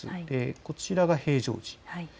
こちらが平常時。